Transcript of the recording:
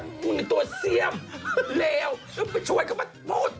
พี่แองซี่จะทำเหลวมาช่วยเขามาโบสถ์